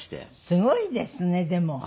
すごいですねでも。